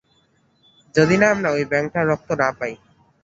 যদি না আমরা ঐ ব্যাঙটার রক্ত না পাই।